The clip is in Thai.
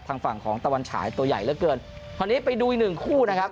ทางฝั่งของตะวันฉายตัวใหญ่เหลือเกินวันนี้ไปดูอีกหนึ่งคู่นะครับ